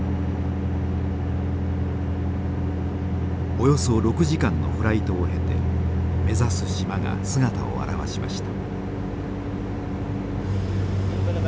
およそ６時間のフライトを経て目指す島が姿を現しました。